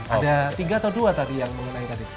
ada tiga atau dua tadi yang mengenai tadi